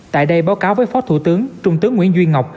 tại đây báo cáo với phó thủ tướng trung tướng nguyễn duy ngọc